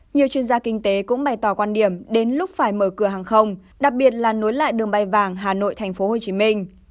nhiều chuyên gia kinh tế cũng bày tỏ quan điểm đến lúc phải mở cửa hàng không đặc biệt là nối lại đường bay vàng hà nội thành phố hồ chí minh